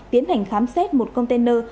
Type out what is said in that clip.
tiến hành khám xét một container